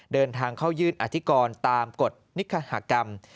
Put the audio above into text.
เดินทางเข้ายื่นอธิกรตามกฎนิคหากรรม